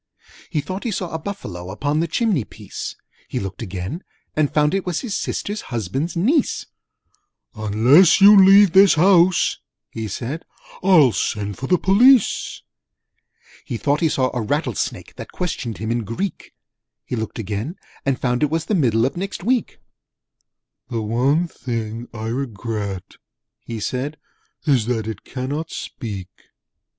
He thought he saw a Buffalo Upon the chimney piece: He looked again, and found it was His Sister's Husband's Niece. 'Unless you leave this house,' he said, "I'll send for the Police!' He thought he saw a Rattlesnake That questioned him in Greek: He looked again, and found it was The Middle of Next Week. 'The one thing I regret,' he said, 'Is that it cannot speak!'